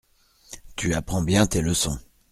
Tu apprends bien tes leçons.